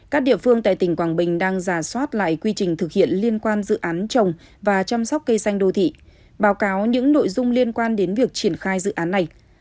các địa phương tại tỉnh quảng bình đang giả soát lại quy trình thực hiện liên quan dự án trồng và chăm sóc cây xanh đô thị báo cáo những nội dung liên quan đến việc triển khai dự án này